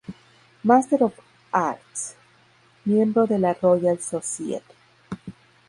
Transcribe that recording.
Master of Arts, miembro de la Royal Society.